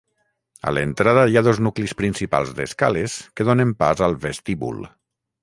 A l'entrada hi ha dos nuclis principals d'escales que donen pas al vestíbul.